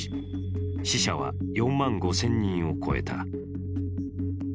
死者は４万５０００人を超えた。